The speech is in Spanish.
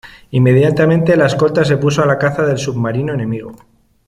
Inmediatamente la escolta se puso a la caza del submarino enemigo.